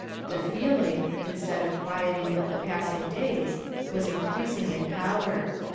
The feeling, instead of quieting with the passing days, was increasing in power.